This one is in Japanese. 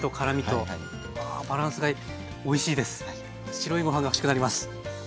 白いご飯が欲しくなります。